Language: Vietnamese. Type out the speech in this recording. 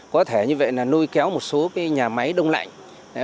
có thể như vậy là nuôi kéo một số nhà máy đông lạnh